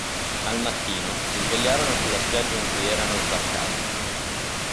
Al mattino, si svegliarono sulla spiaggia in cui erano sbarcati.